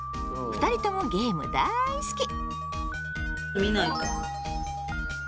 ２人ともゲーム大好き。